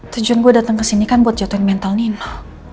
tujuan gua datang kesini kan buat jatuhin mental nino